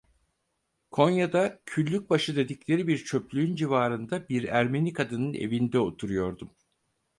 Konya'da Küllükbaşı dedikleri bir çöplüğün civarında, bir Ermeni kadının evinde oturuyordum.